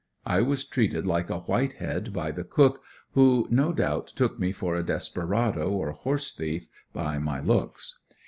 I was treated like a white head by the cook, who no doubt took me for a desperado or horse thief, by my looks.